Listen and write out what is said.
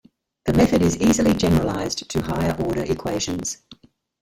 The method is easily generalized to higher order equations.